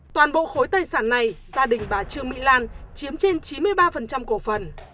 toàn bộ khối tài sản này gia đình bà trương mỹ lan chiếm trên chín mươi ba cổ phần